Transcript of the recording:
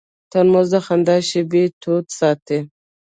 ترموز د خندا شېبې تود ساتي.